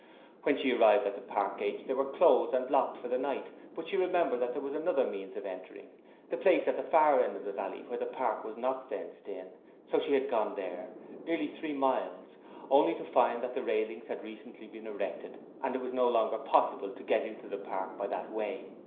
When she arrived at the park gates they were closed and locked for the night but she remembered that there was another means of entering the place at the far end of the valley where the park was not fenced in, so she had gone there nearly three miles only to find that railings had recently been erected and therefore it was no longer possible to get into the park by that way.